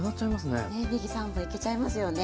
ねえねぎ３本いけちゃいますよね。